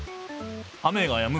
雨がやむ。